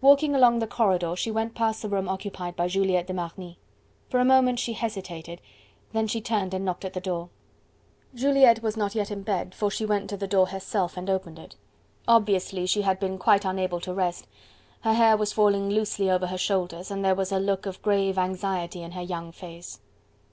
Walking along the corridor, she went past the room occupied by Juliette de Marny. For a moment she hesitated, then she turned and knocked at the door. Juliette was not yet in bed, for she went to the door herself and opened it. Obviously she had been quite unable to rest, her hair was falling loosely over her shoulders, and there was a look of grave anxiety on her young face.